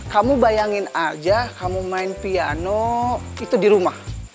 kamu bayangin aja kamu main piano itu di rumah